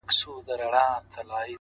هغې ويله ځمه د سنگسار مخه يې نيسم؛